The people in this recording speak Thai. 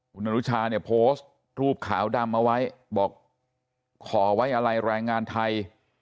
คุณอนุชาเนี่ยโพสต์รูปขาวดำเอาไว้บอกขอไว้อะไรแรงงานไทย